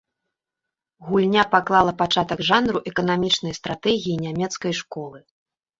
Гульня паклала пачатак жанру эканамічнай стратэгіі нямецкай школы.